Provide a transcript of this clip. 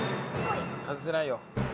外せないよ。